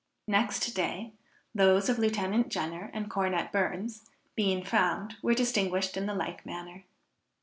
Next day, those of Lieutenant Jenner and Cornet Burns, being found, were distinguished in the like manner.